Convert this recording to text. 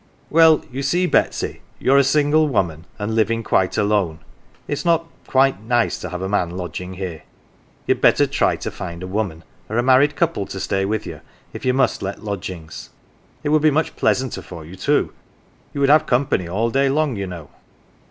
" Well, you see, Betsy, you're a single woman, and living quite alone it's not (ahem !) quite nice to have a man lodging here. You'd better try to find a woman 25 GAFFER'S CHILD or a married couple to stay with you if you must let lodgings. It would be much pleasanter for you too. You would have company all day long, you know.